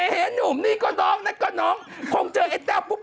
เห็นหนุ่มนี่ก็น้องนั่นก็น้องคงเจอไอ้แต้วปุ๊บ